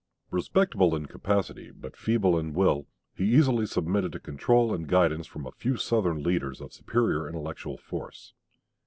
Respectable in capacity but feeble in will, he easily submitted to control and guidance from a few Southern leaders of superior intellectual force.